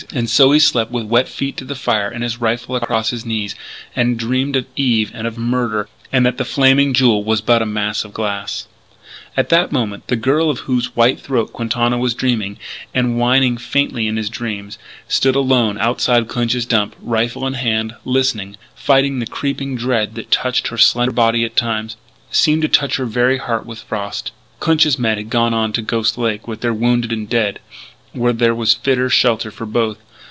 And so he slept with wet feet to the fire and his rifle across his knees; and dreamed of Eve and of murder, and that the Flaming Jewel was but a mass of glass. At that moment the girl of whose white throat Quintana was dreaming, and whining faintly in his dreams, stood alone outside Clinch's Dump, rifle in hand, listening, fighting the creeping dread that touched her slender body at times seemed to touch her very heart with frost. Clinch's men had gone on to Ghost Lake with their wounded and dead, where there was fitter shelter for both.